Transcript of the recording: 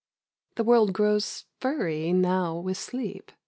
... The world grows furry now with sleep